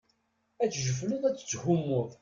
Ad tejjefleḍ, ad tetthummuḍ.